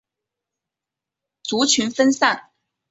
族群分散。